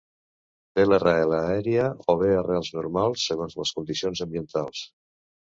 Te l'arrel aèria o bé arrels normals segons les condicions ambientals.